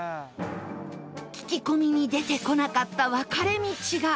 聞き込みに出てこなかった分かれ道が